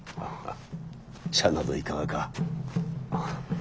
茶などいかがか。